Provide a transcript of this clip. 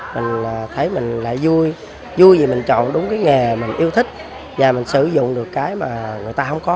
mình thấy mình lại vui vui vì mình chọn đúng cái nghề mình yêu thích và mình sử dụng được cái mà người ta không có